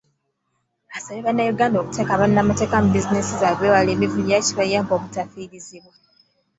Asabye bannayuganda okuteeka bannamateeka mu bbiizineesi zaabwe beewale emivuyo era kibayambe obutafirizibwa.